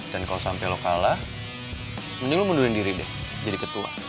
dan kalau sampai lo kalah mending lo mundurin diri deh jadi ketua